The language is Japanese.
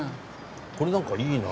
これなんかいいな。